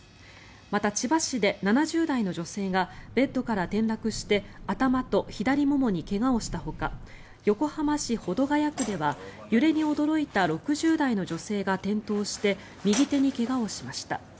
また、千葉市で７０代の女性がベッドから転落して頭と左ももに怪我をしたほか横浜市保土ケ谷区では揺れに驚いた６０代の女性が転倒して右手に怪我をしました。